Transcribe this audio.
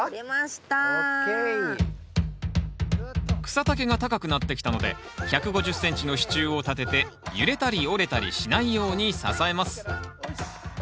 草丈が高くなってきたので１５０ｃｍの支柱を立てて揺れたり折れたりしないように支えます。